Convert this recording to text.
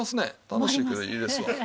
楽しいけどいいですわ。